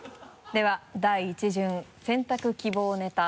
では第一巡選択希望ネタ